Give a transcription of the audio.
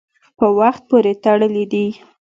په وخت پورې تړلي دي.